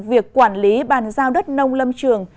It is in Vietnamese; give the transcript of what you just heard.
việc quản lý bàn giao đất nông lâm trường